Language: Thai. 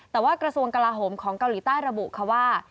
แต่ว่ากระทรวงกลาโหมของเกาหลีใต้ระบุค่ะว่า